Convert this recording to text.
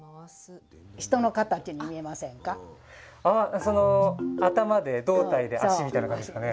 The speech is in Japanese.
ああ頭で胴体で足みたいな感じですかね？